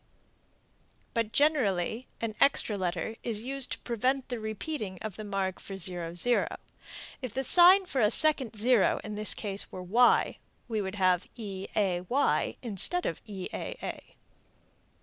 But generally an extra letter is used to prevent repeating the mark for 0. If the sign for a second 0 in this case were y, we would have eay instead of eaa.